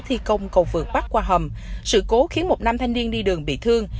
thi công cầu vượt bắc qua hầm sự cố khiến một nam thanh niên đi đường bị thương